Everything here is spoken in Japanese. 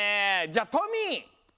じゃあトミー！